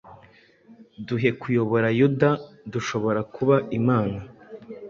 Duhe kuyobora Yuda dushobora kuba imana